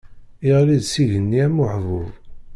Iɣli-d seg igenni am uḥbub.